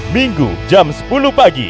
minggu jam sepuluh pagi